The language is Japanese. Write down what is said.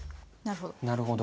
なるほど。